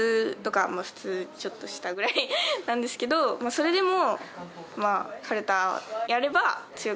それでも。